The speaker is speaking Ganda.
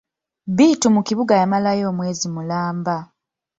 Bittu mu kibuga yamalayo omwezi mulamba.